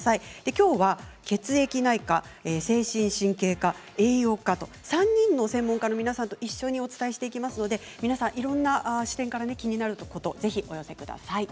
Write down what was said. きょうは血液内科、精神神経科栄養科と３人の専門家の皆さんと一緒にお伝えしていきますのでいろんな視点から気になること